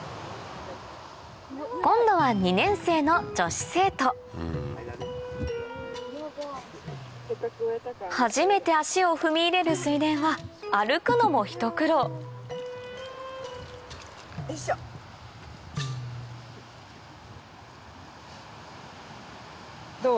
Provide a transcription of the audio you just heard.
今度は２年生の女子生徒初めて足を踏み入れる水田は歩くのも一苦労どう？